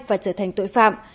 và trở thành tội phạm